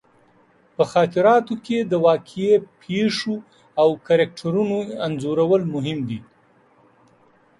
په خاطراتو کې د واقعي پېښو او کرکټرونو انځورول مهم دي.